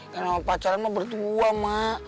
karena pacaran sama berdua ma